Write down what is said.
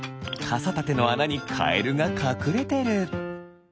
かさたてのあなにカエルがかくれてる！